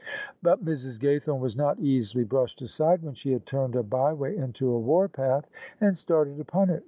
But Mrs. Gaythorne was not easily brushed aside when she had turned a by way into a warpath and started upon it.